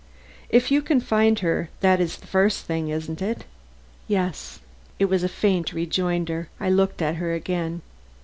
"If you can find her that is the first thing, isn't it?" "Yes." It was a faint rejoinder. I looked at her again.